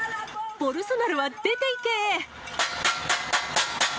ボルソナロは出ていけ！